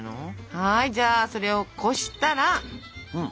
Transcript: はいじゃあそれをこしたら完成。